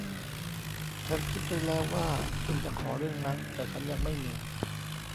ฉันคิดไว้แล้วว่าคุณจะขอเรื่องนั้น แต่ฉันยังไม่มี